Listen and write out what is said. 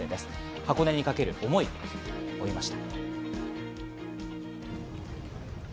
箱根にかける思いを追いました。